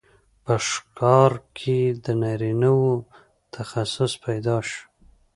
په ښکار کې د نارینه وو تخصص پیدا شو.